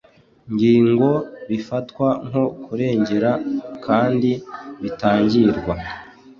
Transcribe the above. ngingo bifatwa nko kurengera kandi bitangirwa